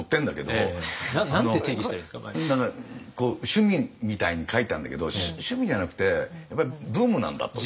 趣味みたいに書いてあんだけど趣味じゃなくてやっぱりブームなんだと。